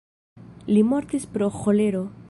Li mortis pro ĥolero.